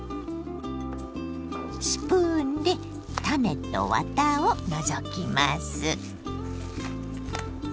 スプーンで種とワタを除きます。